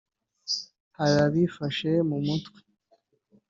Hari abifashe mu mutwe